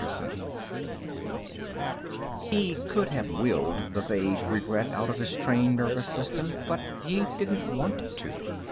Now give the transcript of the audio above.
_ 2 He could have willed the vague regret out of his trained nervous system, but he didn't want to.